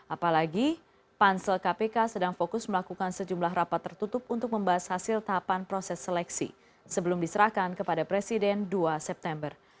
apalagi pansel kpk sedang fokus melakukan sejumlah rapat tertutup untuk membahas hasil tahapan proses seleksi sebelum diserahkan kepada presiden dua september